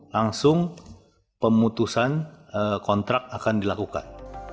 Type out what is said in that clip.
langsung pemutusan kontrak akan dilakukan